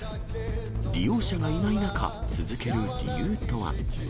利用者がいない中、続ける理由とは。